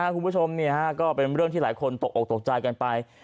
คุณผู้ชมก็เป็นเรื่องที่หลายคนตกออกตกใจกันไป